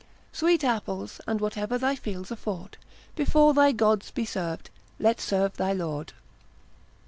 Sweet apples, and whate'er thy fields afford, Before thy Gods be serv'd, let serve thy Lord.